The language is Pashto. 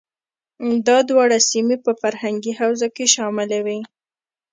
دا دواړه سیمې په فرهنګي حوزه کې شاملې وې.